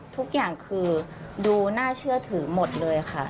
ทุกอย่างคือดูน่าเชื่อถือหมดเลยค่ะ